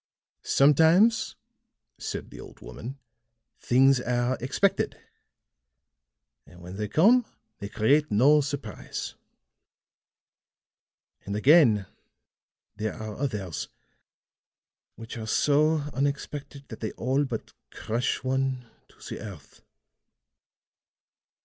"Sometimes," said the old woman, "things are expected, and when they come they create no surprise. And, again, there are others which are so unexpected that they all but crush one to the earth."